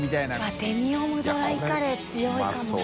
うわっデミオムドライカレー強いかもしれない。